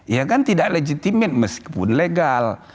ya kan tidak legitimit meskipun legal